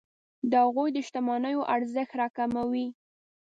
د هغوی د شتمنیو ارزښت راکموي.